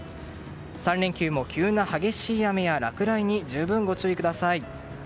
３連休も急な激しい雨や落雷に十分ご注意ください。